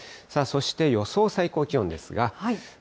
そして予想最高気温ですが。